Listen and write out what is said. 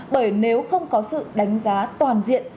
bởi nếu không có sự đánh giá toàn diện